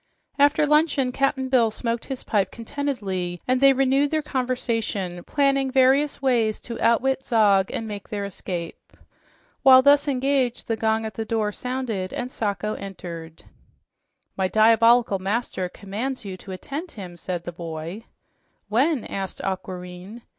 After luncheon Cap'n Bill smoked his pipe contentedly, and they renewed their conversation, planning various ways to outwit Zog and make their escape. While thus engaged, the gong at the door sounded and Sacho entered. "My diabolical master commands you to attend him," said the boy. "When?" asked Aquareine.